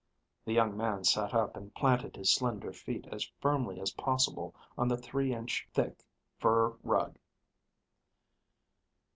The young man sat up and planted his slender feet as firmly as possible on the three inch thick fur rug.